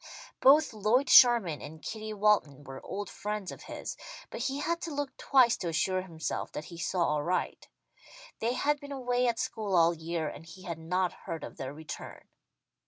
Both Lloyd Sherman and Kitty Walton were old friends of his, but he had to look twice to assure himself that he saw aright. They had been away at school all year, and he had not heard of their return.